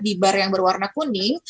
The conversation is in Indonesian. di bar yang berwarna kuning